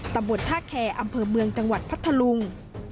ตำรวจท่าแคร์อำเภอเมืองจังหวัดพัทธลุง